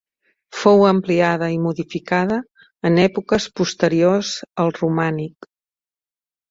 Fou ampliada i modificada en èpoques posteriors al romànic.